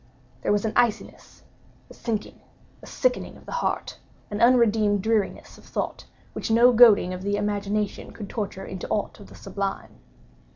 There was an iciness, a sinking, a sickening of the heart—an unredeemed dreariness of thought which no goading of the imagination could torture into aught of the sublime.